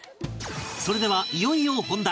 それではいよいよ本題